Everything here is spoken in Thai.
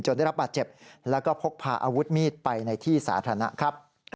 ได้รับบาดเจ็บแล้วก็พกพาอาวุธมีดไปในที่สาธารณะครับ